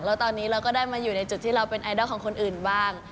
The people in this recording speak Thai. แล้วตอนนี้เราก็ได้มาอยู่ในจุดที่เราเป็นไอดอลของคนอื่นบ้าง